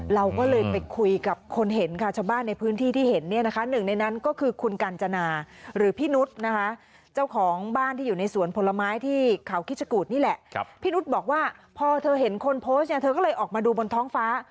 เราก็เลยไปคุยกับคนเห็นค่ะชาวบ้านในพื้นที่ที่เห็นเนี่ยนะคะหนึ่งในนั้นก็คือคุณกัญจนาหรือพี่นุษย์นะคะเจ้าของบ้านที่อยู่ในสวนผลไม้ที่เขาคิดชะกูดนี่แหละพี่นุษย์บอกว่าพอเธอเห็นคนโพสต์เนี่ยเธอก็เลยออกมาดูบนท้องฟ้า